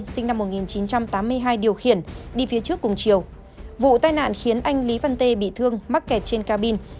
sinh năm một nghìn chín trăm tám mươi hai điều khiển đi phía trước cùng chiều vụ tai nạn khiến anh lý văn tê bị thương mắc kẹt trên cabin